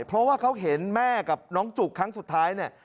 เพราะว่าเขาเห็นแม่กับน้องจุกครั้งสุดท้ายเนี่ย